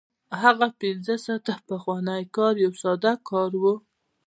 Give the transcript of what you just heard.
هغه پنځه ساعته پخوانی کار یو ساده کار و